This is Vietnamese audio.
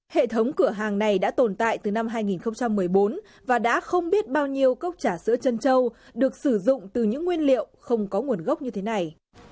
hệ thống cửa hàng này đã tồn tại từ năm hai nghìn một mươi bốn và đã không biết bao nhiêu cốc trà sữa chân trâu được sử dụng từ những nguyên liệu không có nguồn gốc như thế này